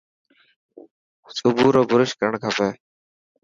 صبح رو برش ڪرڻ کپي